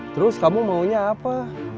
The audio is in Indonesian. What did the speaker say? terus kamu maunya apa